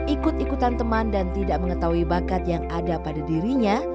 ikut ikutan teman dan tidak mengetahui bakat yang ada pada dirinya